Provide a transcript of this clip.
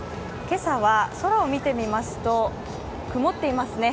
今朝は、空を見てみますと曇っていますね。